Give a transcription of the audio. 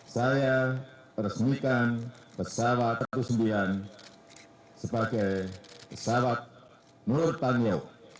saya resmikan pesawat kesedihan sebagai pesawat nurtanio